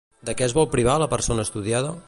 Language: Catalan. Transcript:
De què es vol privar a la persona estudiada?